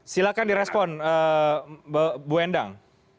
silahkan direspon mbak endang